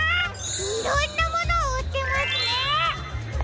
いろんなものをうってますね！